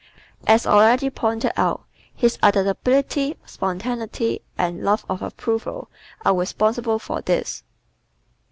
As already pointed out, his adaptability, spontaneity and love of approval are responsible for this.